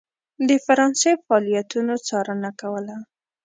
د فرانسې فعالیتونو څارنه کوله.